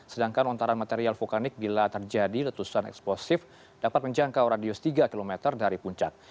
sedangkan lontaran material vulkanik bila terjadi letusan eksplosif dapat menjangkau radius tiga km dari puncak